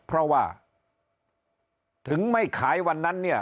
เพราะว่าถึงไม่ขายวันนั้นเนี่ย